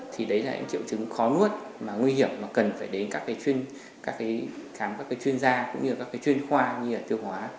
thì đấy là những triệu chứng khó nuốt mà nguy hiểm mà cần phải đến các chuyên gia cũng như các chuyên khoa như là tiêu hóa